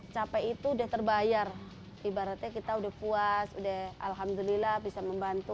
capek itu udah terbayar ibaratnya kita udah puas udah alhamdulillah bisa membantu